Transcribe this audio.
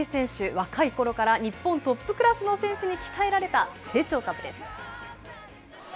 若いころから日本トップクラスの選手に鍛えられた成長株です。